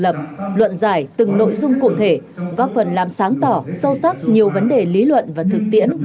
lập luận giải từng nội dung cụ thể góp phần làm sáng tỏ sâu sắc nhiều vấn đề lý luận và thực tiễn